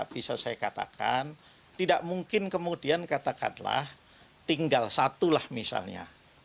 bisa saya katakan tidak mungkin kemudian katakanlah tinggal satu lah misalnya